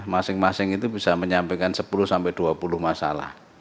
masing masing itu bisa menyampaikan sepuluh sampai dua puluh masalah